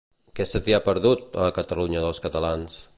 Què se t'hi ha perdut, a la Catalunya dels catalans?